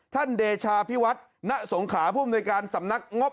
ท่านเดชาพิวัฒน์ณสงขาผู้บริการสำนักงบ